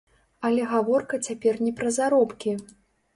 Але гаворка цяпер не пра заробкі.